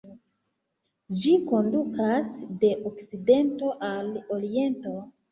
Ĝi kondukas de okcidento al oriento.